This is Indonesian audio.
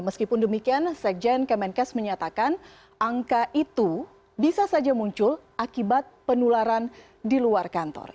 meskipun demikian sekjen kemenkes menyatakan angka itu bisa saja muncul akibat penularan di luar kantor